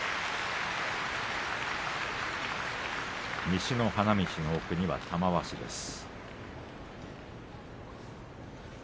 西の花道の奥には玉鷲です。